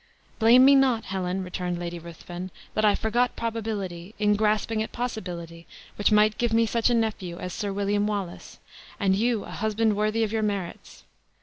"Blame me not, Helen," returned Lady Ruthven, "that I forgot probability, in grasping at possibility which might give me such a nephew as Sir William Wallace, and you a husband worthy of your merits!